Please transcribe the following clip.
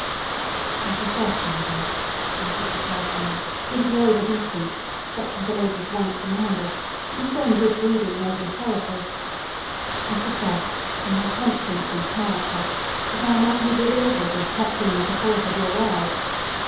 "I profess, madam," answered the clergyman, with a grave obeisance, such as the lady's rank demanded, and his own good breeding made imperative—"I profess, on my conscience and character, that I am utterly bewildered as touching the purport of your words!